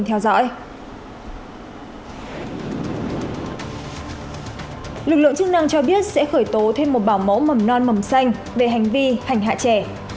lực lượng chức năng cho biết sẽ khởi tố thêm một bảo mẫu mầm non mầm xanh về hành vi hành hạ trẻ